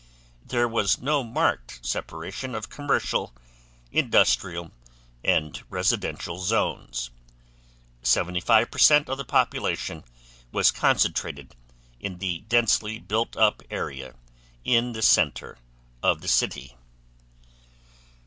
There was no marked separation of commercial, industrial, and residential zones. 75% of the population was concentrated in the densely built up area in the center of the city.